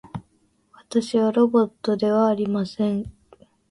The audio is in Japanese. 私はロボットではありません